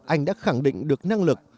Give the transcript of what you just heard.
anh đã khẳng định được năng lực